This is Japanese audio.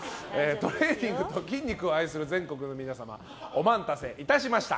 トレーニングと筋肉を愛する全国の皆様お待たせいたしました！